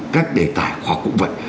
các đề tài khoa học cũng vậy